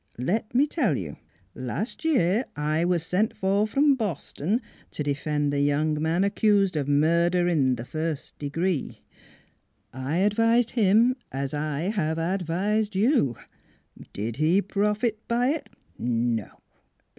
... Let me tell you: last year I was sent for from Boston to defend 3i8 NEIGHBORS a young man accused of murder in the first de gree. I advised him, as I have advised you. ... Did he profit by it? No!